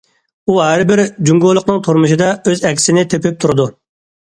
ئۇ ھەر بىر جۇڭگولۇقنىڭ تۇرمۇشىدا ئۆز ئەكسىنى تېپىپ تۇرىدۇ.